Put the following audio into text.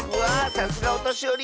さすがおとしより